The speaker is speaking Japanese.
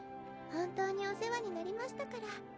本当にお世話になりましたから。